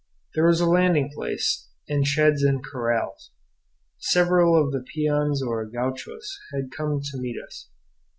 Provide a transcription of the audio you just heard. There was a landing place, and sheds and corrals. Several of the peons or gauchos had come to meet us.